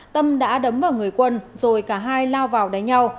tâm đã đấm vào người quân rồi cả hai lao vào đánh nhau